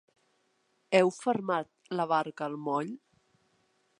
Heu fermat la barca al moll?